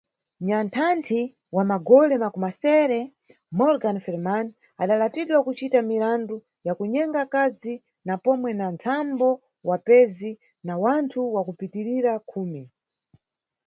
Nyanthanthi wa magole makumasere, Morgan Freeman, adalatidwa kucita mirandu ya kunyenga akazi na pomwe na nsambo wapezi na wanthu wakupitirira khumi.